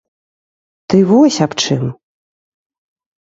Ты вось аб чым!